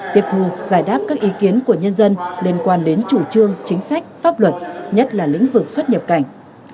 tiếp thu giải đáp các ý kiến của nhân dân liên quan đến chủ trương chính sách pháp luật nhất là lĩnh vực xuất nhập cảnh